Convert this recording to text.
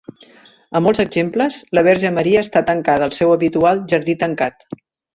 En molts exemples, la Verge Maria està tancada al seu habitual jardí tancat.